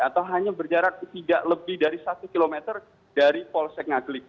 atau hanya berjarak tidak lebih dari satu km dari polsek ngaglik